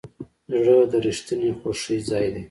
زړه د رښتینې خوښۍ ځای دی.